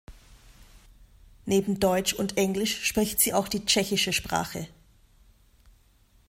Neben Deutsch und Englisch spricht sie auch die tschechische Sprache.